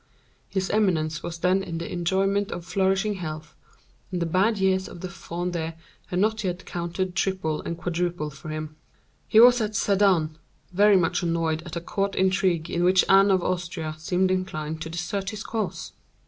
His eminence was then in the enjoyment of flourishing health, and the bad years of the Fronde had not yet counted triple and quadruple for him. He was at Sedan, very much annoyed at a court intrigue in which Anne of Austria seemed inclined to desert his cause.